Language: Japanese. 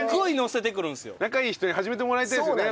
仲いい人に始めてもらいたいんですよね。